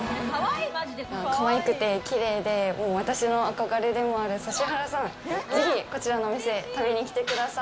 かわいくて綺麗で私の憧れでもある指原さん、ぜひこちらのお店、食べに来てください。